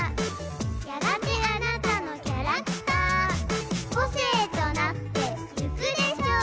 「やがてあなたのキャラクター」「個性となっていくでしょう！」